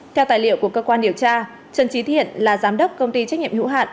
theo tài liệu của cơ quan điều tra trần trí thiện là giám đốc công ty trách nhiệm hữu hạn